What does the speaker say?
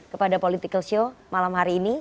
kepada political show malam hari ini